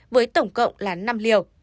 với tổng cộng là năm liều